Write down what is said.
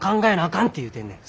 かんって言うてんねん。